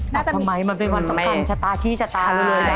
ตัดทำไมมันเป็นวันสำคัญชะตาที่ชะตาเรื่อย